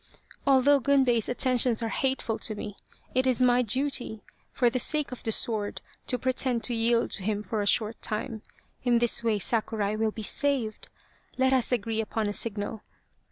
" Although Gunbei's attentions are hateful to me, it is my duty, for the sake of the sword, to pretend to yield to him for a short time. In this way Sakurai will be saved. Let us agree upon a signal.